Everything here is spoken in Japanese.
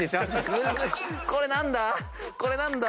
これ何だ？